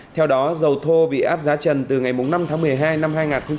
theo đó dầu thô bị áp giá trần từ ngày năm tháng một mươi hai năm hai nghìn hai mươi